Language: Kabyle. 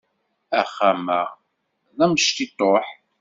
Axxam-a d amectiṭuḥ.